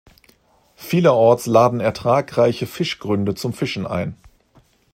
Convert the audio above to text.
Vielerorts laden ertragreiche Fischgründe zum Fischen ein.